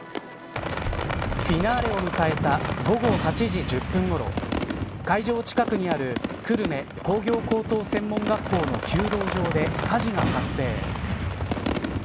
フィナーレを迎えた午後８時１０分ごろ会場近くにある久留米工業高等専門学校の弓道場で火事が発生。